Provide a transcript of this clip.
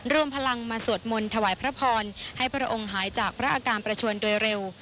รวมพลังมาสวดมนต์ถวายพระพรให้พระองค์หายจากพระอาการประชวนโดยเร็ว